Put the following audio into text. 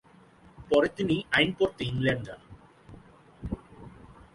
পরে তিনি আইন পড়তে ইংল্যান্ড যান।